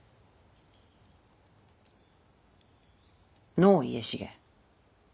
のぅ家重。